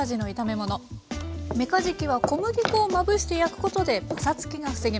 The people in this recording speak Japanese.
めかじきは小麦粉をまぶして焼くことでパサつきが防げます。